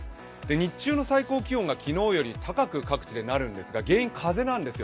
日中の最高気温が昨日より高く、各地でなるんですが、原因は風なんですよ。